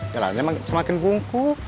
jalannya semakin bungkuk